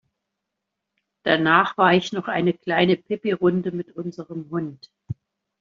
Danach war ich noch eine kleine Pipirunde mit unserem Hund.